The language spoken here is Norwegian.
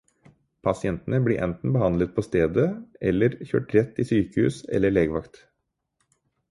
Pasientene blir enten behandlet på stedet eller, kjørt rett til sykehus eller legevakt.